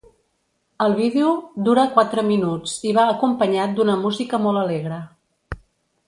El vídeo dura quatre minuts i va acompanyat d’una música molt alegre.